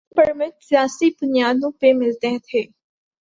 Route permit سیاسی بنیادوں پہ ملتے تھے۔